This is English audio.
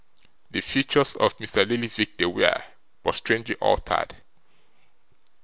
The features of Mr. Lillyvick they were, but strangely altered.